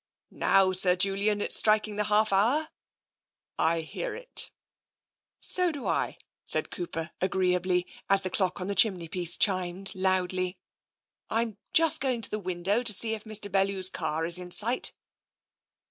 " Now, Sir Julian, it's just striking the half hour." " I hear it." " So do I," agreed Cooper agreeably, as the clock on the chimneypiece chimed loudly. " I'm just going to the window, to see if Mr. Bellew's car is in sight."